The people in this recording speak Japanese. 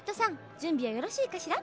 じゅんびはよろしいかしら？